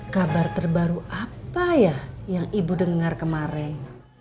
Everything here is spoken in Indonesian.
kabar terbaru apa ya yang ibu dengar kemarin